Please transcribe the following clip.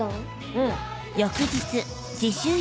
うん。